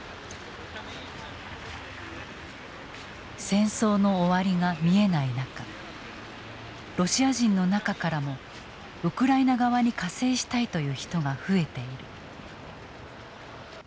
戦争の終わりが見えない中ロシア人の中からもウクライナ側に加勢したいという人が増えている。